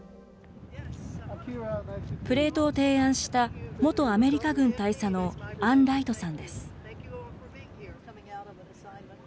プレートを提案した元アメリカ軍大佐のアン・ライトさんです。